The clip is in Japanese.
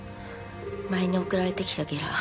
前に送られてきたゲラ